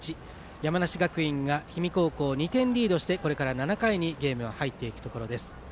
山梨学院が氷見高校２点リードしてこれから７回にゲームは入っていくところです。